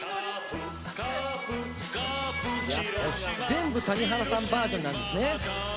全部谷原さんバージョンなんですね。